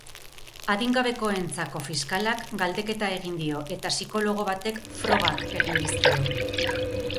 Adingabekoentzako fiskalak galdeketa egin dio eta psikologo batek frogak egin dizkio.